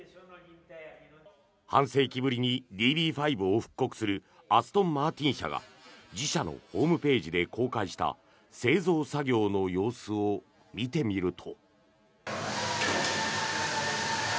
半世紀ぶりにＤＢ５を復刻するアストンマーティン社が自社のホームページで公開した製造作業の様子を見てみると。